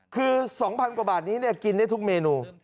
คือ๒๐๐กว่าบาทนี้กินได้ทุกเมนู